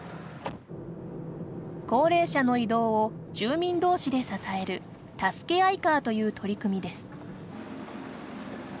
高齢者の移動を住民同士で支えるたすけあいカーという取り組みです。